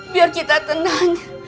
biar kita tenang